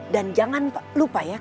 dan jangan lupa ya